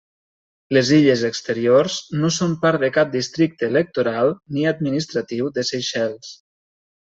Les illes Exteriors no són part de cap districte electoral ni administratiu de Seychelles.